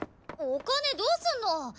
お金どうすんの！？